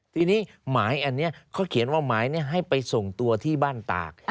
ทีนี้หมายอันนี้เขาเขียนว่าหมายให้ไปส่งตัวที่บ้านตาก